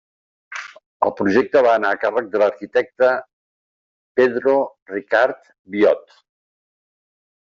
El projecte va anar a càrrec de l'arquitecte Pedro Ricard Biot.